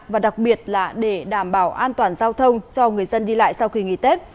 và đặc biệt là để đảm bảo an toàn giao thông cho người dân đi lại sau khi nghỉ tết